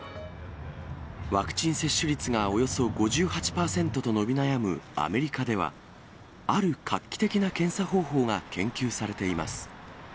ワクチン接種率がおよそ５８％と伸び悩むアメリカでは、ある画期的な検査方法が研究されています。